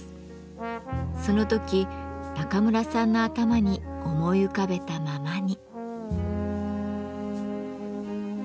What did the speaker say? その時中村さんの頭に思い浮かべたままに。